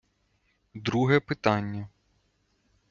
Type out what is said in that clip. Друге питання.